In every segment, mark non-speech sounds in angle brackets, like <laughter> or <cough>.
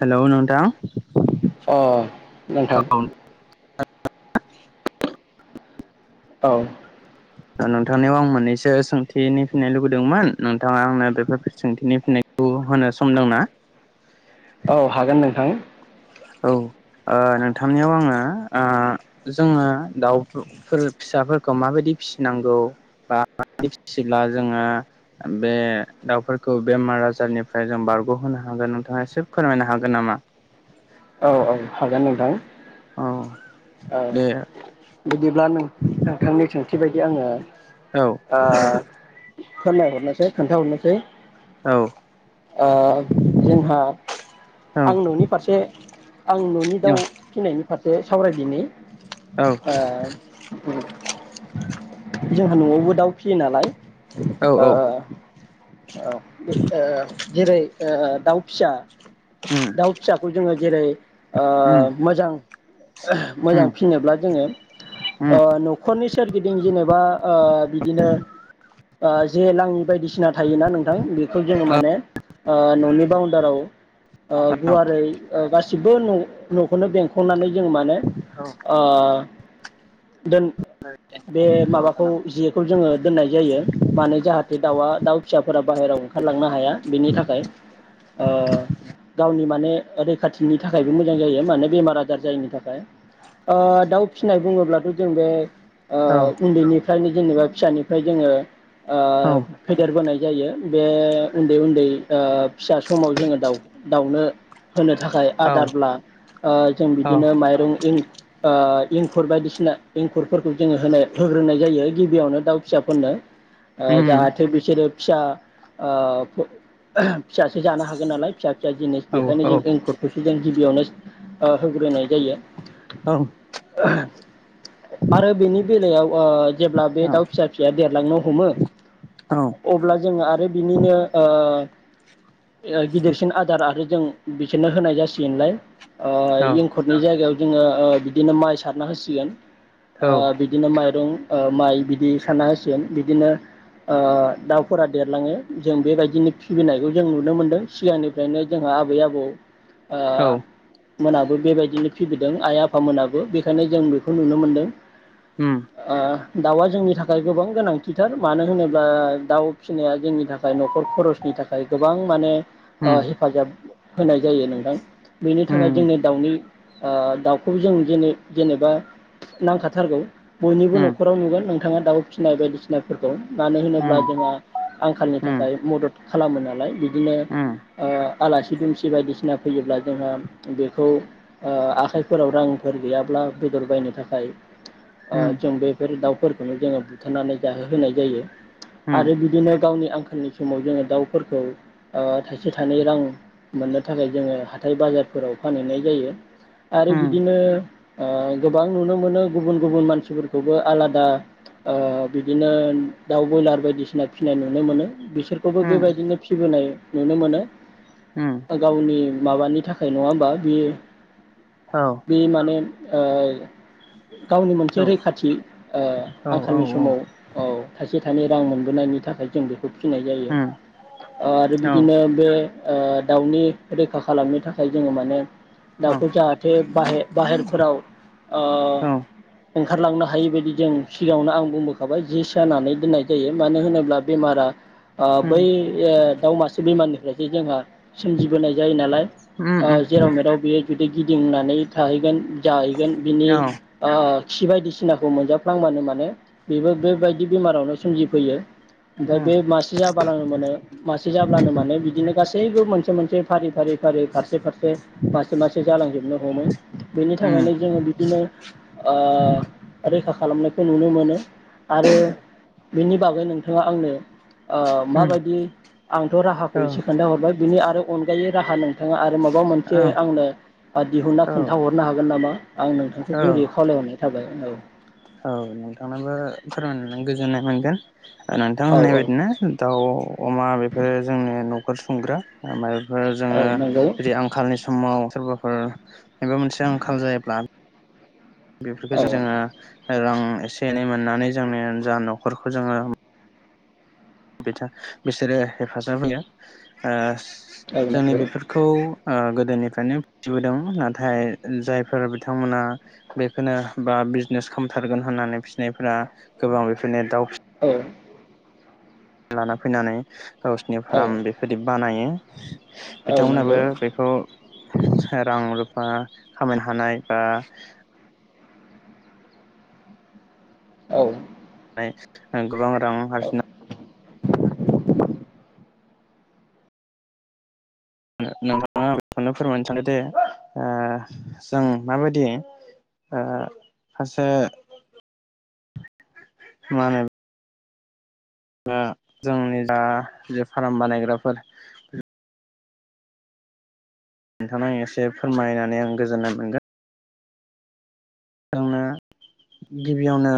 हेल' नोंथां अ नोंथां औ नोंथांनियाव आं मोननैसो सोंथिनि फिननाय लुुबैदोंमोन नोंथाङा आंनो बेफोर सोंथिनि फिननायखौ होनो सम दंना? औ हागोन नोंथां औ ओ नोंथांनियाव आङो ओ जोङो दाउफोर फिसाफोरखौ माबायदि फिसिनांगौ बा माबायदि फिसिब्ला जोङो बे दाउफोरखौ बेमार आजारनिफ्राय जों बारग'होनो हागोन नोंथाङा एसे फोरमायनो हागोन नामा? औ औ हागोन नोंथां। औ अ दे बिदिब्ला नों नोंथांनि सोंथि बायदि आङो औ ओ फोरमायहरनोसै खोनथाहरनोसै औ ओह जोंहा औ आं न'नि फारसे आं न'नि दाउ फिनायनि फारसे सावराय दिनै औ औ ओ जोंहा जाह न'आवबो दाउ <inaudible> फिसियो नालाय औ ओ औ ओ जेरै आ दाउ फिसा उम दाउ फिसाखौ जोङो जेरै उम ओ मोजां उम मोजां फिनोब्ला जोङो उम ओ न'खरनि सोरगिदिं जेनेबा ओ बिदिनो ओ जे लाङि बायदिसिना थायोना नोंथां बेखौ जोङो औ माने न'नि बाउन्डाराव ओ गुवारै ओ गासिबो न' न'खौनो बेंख'नानै जों माने औ ओ बे माबाखौ जेखौ जोङो दोननाय जायो मानोे जाहाथे दाउआ दाउ फोर बाहेरायाव ओंखारलांनो हाया बेनि थाखाय ओ गावनि माने रैखाथिनि थाखायबो मोजां जायो मानोे बेमार आजार जायिनि थाखाय ओ दाउ फिसिनाय बुङोब्लाथ जों बे ओ उन्दैनिफ्रायनो जेनेबा फिसानिफ्राय जोङो ओ फेदेरबोनाय जायो बे उन्दै उन्दै फिसा समाव जोङो दाउनो होनो थाखाय आदारब्ला जों बिदि बिदिनो माइरं इं एंखुर बायदिसिना एंखुरफोरखौ जोङो होनाय होग्रोनाय जायो गिबियावनो दाउ फिसाफोरनो ओ जाहाथे बिसोरो फिसा फिसासो जानो हागोन नालाय फिसा फिसा जिनिस बेखायनो जों एंखुरखौसो जों गिबियावनो ओ होग्रोनाय जायो आरो बेनि बेलायाव ओ जेब्ला बे दाउ फिसा फिसाया देरलांनो हमो अब्ला जोङो आरो बिनिनो ओ गिदिरसिन आदार आरो जों बिसोरनो होनाय जासिगोनलाय ओ इं जायगायाव जोङो ओ बिदिनो माइ सारना होसिगोन ओ बिदिनो माइरं ओ माइ बिदि सारना होसिगोन बिदिनो ओ दाउफोरा देरलाङो जों बेबायदिनो फिबिनायखौ जों नुनो मोनदों सिगांनिफ्रायनो जोंहा आबै-आबौ ओ मोनाबो बेबाय बिदिनो फिबिदों आइ-आफामोनाबो बेखायनो जों बेखौ नुनो मोनदों आ दाउआ जोंनि थाखाय गोबां गोनांथिथार मानो होनोब्ला दाउ फिसिनाया जोंनि थाखाय न'खर खरसनि थाखाय गोबां माने ओ हेफाजाब होनाय जायो नोंथां। बेनि थाखाय जोंनि दाउनि ओ दाउखौबो जों जेने जेनेबा नांखाथारगौ बयनिबो नखराव नुगोन नों नोंथाङा दाउ फिसिनाय बायदिसिनाफोरखौ मानो होनोब्ला जोंहा आंखालनि थाखाय मदद खालामो नालाय बि बिदिनो ओ आलासि दुमसि बायदिसिना फैयोब्ला जोंहा बेखौ ओ आखाइफोराव रांफोर गैयाब्ला बेदर बायनो थाखाय ओ जों बेफोर दाउ फोरखौनो जोङो बुथारनानै जाहो होनाय जायो। आरो बिदिनो गावनि आंखालनि समाव जोङो दाउफोरखौ ओ थाइसे थाइनै रां मोननो थाखाय जोङो हाथाय बाजारफोराव फानहैनाय जायो। आरो बिदिनो ओ गोबां नुनो मोनो गुबुन गुबुन मानसिफोरखौबो आलादा ओ बिदिनो दाउ बयलार बायदिसिना फिसिनाय नुनो मोनो बि बिसोरखौबो बेबायदिनो फिबोनाय नुनो मोनो। ओ गावनि माबानि थाखाय नङा होमबा बियो बे माने ओ गावनि मोनसे रैखाथि ओ आंखालनि समाव औ थाइसे फिथानि रां मोनबोनायनि थाखाय जों बे खौ फिनाय जायो आरो बिदिनो बे दाउनि रैखा खालामनो थाखाय जोङो माने दाउखौ जाहाथे बाह बाहेरफोराव ओ ओंखारलांनो हायि बायदि जों सिगाङावनो आं बुंबोखाबाय जि सानानै दोननाय जायो मानो होनोब्ला बेमारा ओ बै दाउ मासे बेमारनिफ्रायसो जोंहा सोमजिबोनाय जायो नालाय जेराव मेेराव बेयो जुदि गिदिंनानै थाहैगोन जाहैगोन बिनि ओ खि बायदिसिनाखौ मोनजाफ्लांबानो माने बेबो बेबायदि बेमारावनो सोमजिफैयो। ओमफाय बे मास <unintelligible> मोनसे-मोनसे फारि-फारि फारि फारसे-फारसे मास <unintelligible> मासे जालांजोबनो हमो बेनि थाखायनो जोङो बिदिनो ओ रैखा खालामनायखौ नुनो मोनो। आरो बिनि बागै नोंथाङा आंनो ओ माबायदि आंथ' राहाखौ एसे खोन्थाहरबाय। बिनि आरो अनगायै राहा नोंथाङा आर माबा मोनसे आंनो बा दिहुनना खोन्थाहरनो हागोन नामा आं नोंथांखौ गुरै खावलायहरनाय थाबाय। औ औ नोंथांनाबो फोरमायनानै गोजोननाय मोनगोन। नोंथां औ होननाय औ बायदिनो दाउ अमा बेफोरो जोंनि न' अर सुफुंग्रा आरो <unintelligible> ओ औ जोङो नंगौ <unintelligible> आंखालनि समाव सोरबाफोर मायबा मोनसे आंखाल जायोब्ला बेफोरखौ औ जों जोङो रां एसे एनै मोननानै जोंनि जा न'खरखौ जोङो। बिथा बिसोरो हेफाजाब होयो। ओ औ जोंनि नंगौ बेफोरखौ ओ गोदोनिफ्रायनो फिसिबोदों नाथाय जायफोर बिथांमोना बेखोनो बा बिजनेस खालामथारगोन होननानै फिसिनायफोरा गोबां बेफोरनो दाव औ लाना फैनानै गावसोरनि औ फार्म बेफोरदि बानायो। औ बिथांमोनहाबो नंगौ बेखौ रां रुफा खामायनो हानाय बा औ। <unintelligible> गोबां रां औ आरजिनो नोंथां बेखौनो फोरमायनो सानोदि ओ जों माबायदि ओ खासे मा होनो दा जोंनि दा जे फार्म बानायग्राफोर नोंथां एसे फोरमायनानै आं गोजोननाय मोनगोन। आंनो गिबियावनो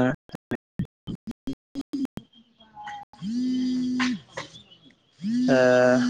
<inaudible>